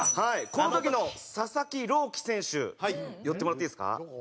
この時の佐々木朗希選手寄ってもらっていいですか？